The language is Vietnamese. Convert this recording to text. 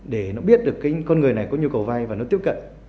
để nó biết được cái con người này có nhu cầu vay và nó tiếp cận